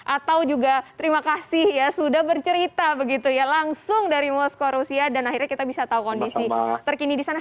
atau juga terima kasih ya sudah bercerita begitu ya langsung dari moskow rusia dan akhirnya kita bisa tahu kondisi terkini di sana